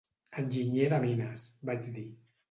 "Enginyer de mines", vaig dir.